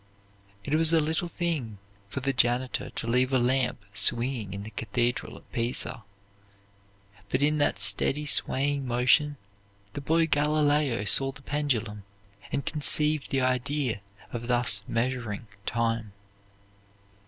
It was a little thing for the janitor to leave a lamp swinging in the cathedral at Pisa, but in that steady swaying motion the boy Galileo saw the pendulum, and conceived the idea of thus measuring time.